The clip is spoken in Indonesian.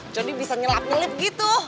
jadi bisa nyelap nyelip gitu